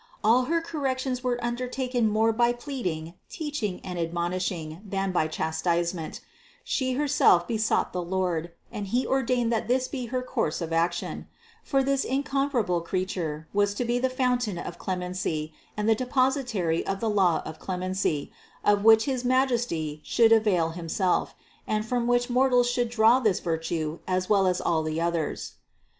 All her corrections were undertaken more by pleading, teaching and admon ishing than by chastisement; She herself besought the Lord, and He ordained that this be her course of action ; for this incomparable Creature was to be the fountain of clemency and the depositary of the law of clemency, of which his Majesty should avail Himself, and from which mortals should draw this virtue as well as all the others.